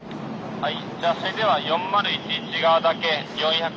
はい。